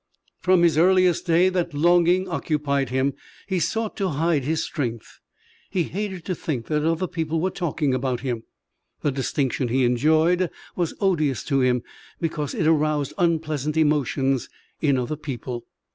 From his earliest day that longing occupied him. He sought to hide his strength. He hated to think that other people were talking about him. The distinction he enjoyed was odious to him because it aroused unpleasant emotions in other people.